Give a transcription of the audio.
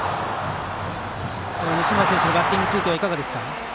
西村選手のバッティングいかがですか。